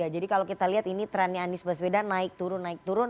jadi kalau kita lihat ini trennya anies baswedan naik turun naik turun